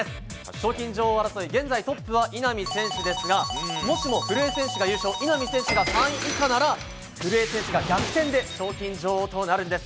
賞金女王争い、現在トップは稲見選手ですがもしも古江選手が優勝稲見選手が３位以下なら古江選手が逆転で賞金女王となるんです。